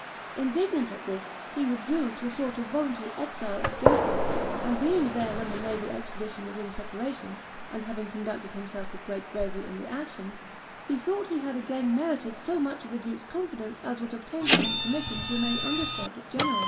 Indignant at this, he withdrew to a sort of voluntary exile at Gaeta, and being there when the naval expedition was in preparation, and having conducted himself with great bravery in the action, he thought he had again merited so much of the duke's confidence as would obtain for him permission to remain undisturbed at Genoa.